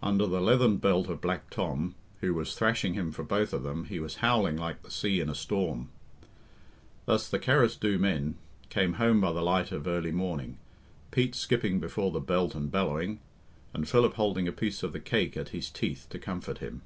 Under the leathern belt of Black Tom, who was thrashing him for both of them, he was howling like the sea in a storm. Thus the Carrasdhoo men came home by the light of early morning Pete skipping before the belt and bellowing; and Philip holding a piece of the cake at his teeth to comfort him.